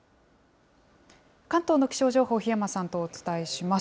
関東の気象情報、檜山さんとお伝えします。